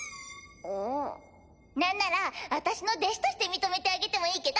何なら私の弟子として認めてあげてもいいけど？